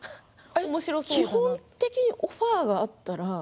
基本的にオファーがあったら。